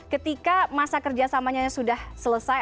ketika masa kerja samanya sudah selesai